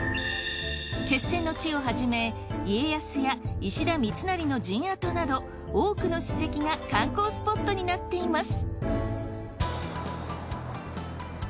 決戦の地をはじめ家康や石田三成の陣跡など多くの史跡が観光スポットになっています。